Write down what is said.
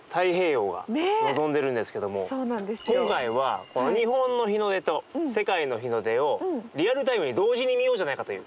今回は日本の日の出と世界の日の出をリアルタイムに同時に見ようじゃないかという。